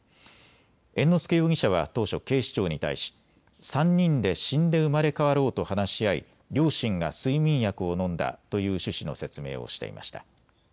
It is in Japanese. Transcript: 猿之助容疑者は当初警視庁に対し３人で死んで生まれ変わろうと話し合い両親が睡眠薬を飲んだという趣旨の説明をしていました。